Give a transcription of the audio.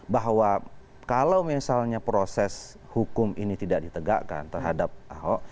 bahwa kalau misalnya proses hukum ini tidak ditegakkan terhadap ahok